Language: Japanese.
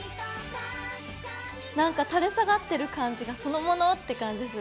なんか垂れ下がってる感じがそのものって感じする。